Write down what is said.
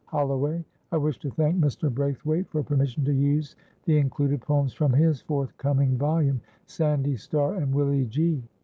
Holloway. I wish to thank Mr. Braithwaite for permission to use the included poems from his forthcoming volume, "Sandy Star and Willie Gee."